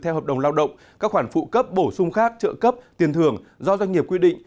theo hợp đồng lao động các khoản phụ cấp bổ sung khác trợ cấp tiền thường do doanh nghiệp quy định